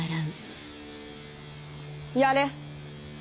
やれ。